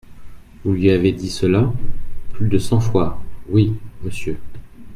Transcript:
Vous lui aviez dit cela ? Plus de cent fois, oui, monsieur.